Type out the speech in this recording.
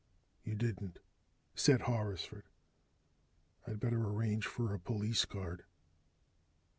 "You didn't," said Horrisford. "I'd better arrange for a police guard."